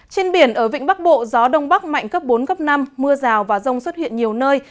trên biển ở vịnh bắc bộ gió đông bắc mạnh cấp bốn cấp năm mưa rào và rông xuất hiện nhiều nơi